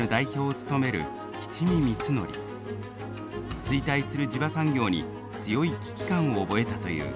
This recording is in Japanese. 衰退する地場産業に強い危機感を覚えたという。